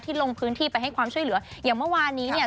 ลงพื้นที่ไปให้ความช่วยเหลืออย่างเมื่อวานนี้เนี่ย